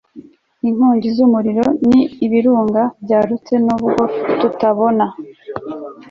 inkongi z umurimo n ibirunga byarutse Nubwo tutabona